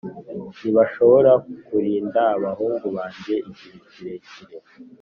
ntibashobora kurinda abahungu banjye igihe kirekire.